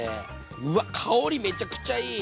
うわっ香りめちゃくちゃいい！